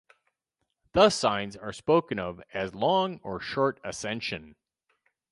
Thus, signs are spoken of as "long" or "short" ascension.